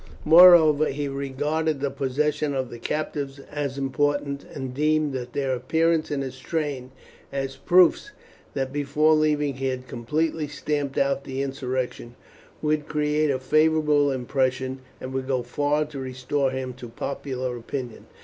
Moreover, he regarded the possession of the captives as important, and deemed that their appearance in his train, as proofs that before leaving he had completely stamped out the insurrection, would create a favourable impression, and would go far to restore him to popular opinion.